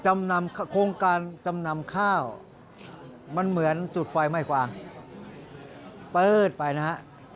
มันเหมือนจุดไฟไม่กว้างเปิดไปนะครับ